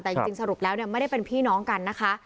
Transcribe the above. แต่จริงสรุปแล้วไม่ได้เป็นพี่น้องกันนะคะ